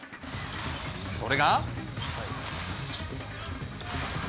それが。